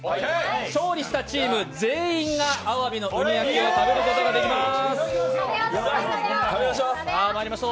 勝利したチーム全員があわびのうに焼きを食べることができます。